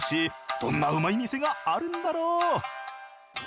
どんなうまい店があるんだろう！